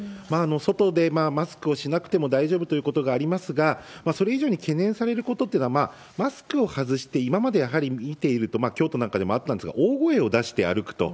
外でマスクをしなくても大丈夫ということがありますが、それ以上に懸念されることってのは、マスクを外して、今までやはり見ていると、京都なんかでもあったんですが、大声を出して歩くと。